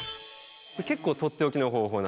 結構とっておきの方法なんです。